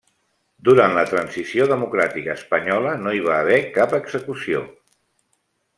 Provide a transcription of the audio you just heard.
Durant la Transició democràtica espanyola no hi va haver cap execució.